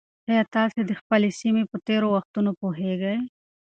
ایا تاسي د خپلې سیمې په تېرو وختونو پوهېږئ؟